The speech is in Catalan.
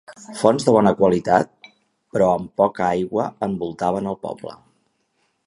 Fonts de bona qualitat, però amb poca aigua envoltaven el poble.